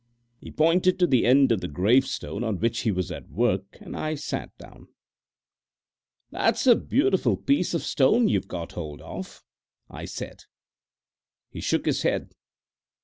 He pointed to the end of the gravestone on which he was at work, and I sat down. "That's a beautiful piece of stone you've got hold of," I said. He shook his head.